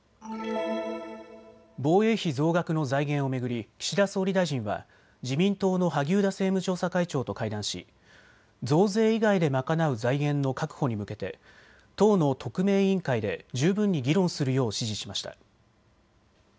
防衛費増額の財源を巡り岸田総理大臣は自民党の萩生田政務調査会長と会談し増税以外で賄う財源の確保に向けて党の特命委員会で十分に議論するよう指示しました。